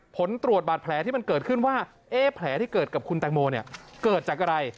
ผลตรวจบาดแผลที่มันเกิดขึ้นว่าแผลที่เกิดกับคุณแตงโมเนี่ยเกิดจากอะไร